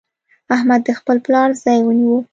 احمد د خپل پلار ځای ونيو.